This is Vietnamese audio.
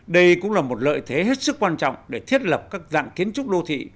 đây cũng là một lợi thế hết sức quan trọng để thiết lập các dạng kiến trúc đô thị